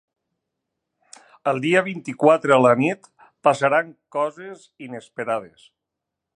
El dia vint-i-quatre a la nit passaran coses inesperades.